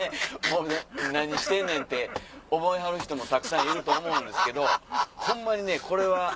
もうね何してんねんって思いはる人もたくさんいると思うんですけどホンマにねこれは。